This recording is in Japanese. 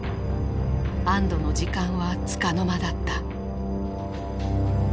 安どの時間はつかの間だった。